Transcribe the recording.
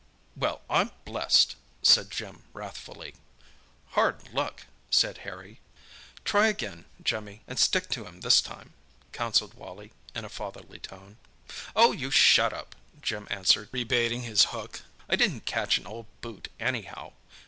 "Well, I'm blessed!" said Jim wrathfully. "Hard luck!" said Harry. "Try again, Jimmy, and stick to him this time," counselled Wally, in a fatherly tone. "Oh, you shut up," Jim answered, re baiting his hook. "I didn't catch an old boot, anyhow!"